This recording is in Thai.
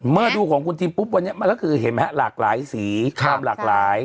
เมื่อดูของคุณทีมปุ๊บวันนี้มันก็คือเห็นไหมฮะหลากหลายสีความหลากหลาย